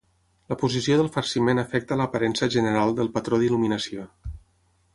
La posició del farciment afecta a l'aparença general del patró d'il·luminació.